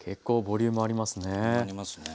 ボリュームありますね。